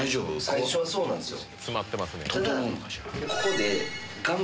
最初はそうなんですよ。